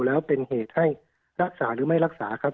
แล้วเป็นเหตุให้รักษาหรือไม่รักษาครับ